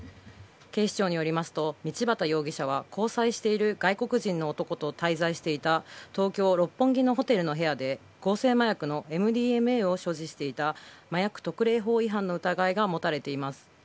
警視庁によりますと道端容疑者は、交際している外国人の男と滞在していた東京・六本木のホテルの部屋で合成麻薬のＭＤＭＡを所持していた麻薬特例法違反の疑いが持たれています。